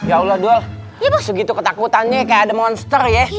ya allah dulu segitu ketakutannya kayak ada monster ya